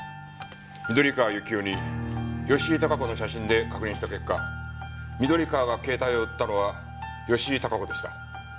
緑川幸雄に吉井孝子の写真で確認した結果緑川が携帯を売ったのは吉井孝子でした。